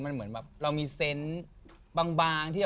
มันเหมือนเรามีเซ็นต์บาง